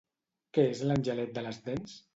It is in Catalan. Què és l'angelet de les dents?